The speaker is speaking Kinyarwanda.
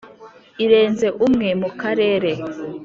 irenze umwe mu Karere